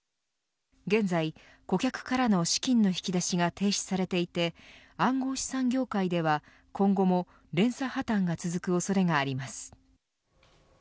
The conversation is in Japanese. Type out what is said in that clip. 現在顧客からの資金の引き出しが停止されていて暗号資産業界では今後も連鎖破綻が続く恐れがあります。